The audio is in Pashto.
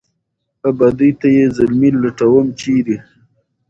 آبادۍ ته یې زلمي لټوم ، چېرې ؟